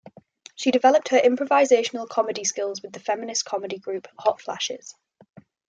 She developed her improvisational comedy skills with the feminist comedy group Hot Flashes.